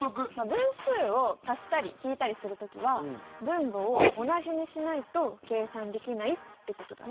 分数を足したり引いたりする時は分母を同じにしないと計算できないってことだね。